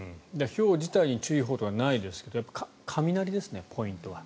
ひょう自体に注意報とかないですけど雷ですね、ポイントは。